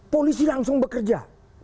polisi langsung bekerja